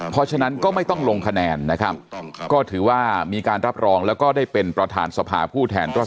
เพราะฉะนั้นก็ไม่ต้องลงคะแนนนะครับก็ถือว่ามีการรับรองแล้วก็ได้เป็นประธานสภาผู้แทนร่อน